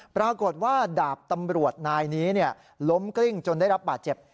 ปรากฏว่าดาบตำรวจนายนี้ล้มกลิ้งจนได้รับบาดเจ็บ